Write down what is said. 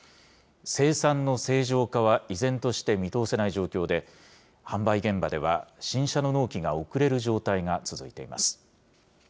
生産の正常化は依然として見通せない状況で、販売現場では新車の納期が遅れる状態が続いています。